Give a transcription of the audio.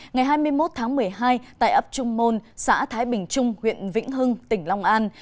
ngày hai mươi một tháng một mươi hai tại ấp trung môn xã thái bình trung huyện vĩnh hưng tỉnh long an